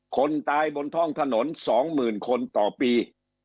คนตายบนท้องถนน๒๐๐๐คนต่อปี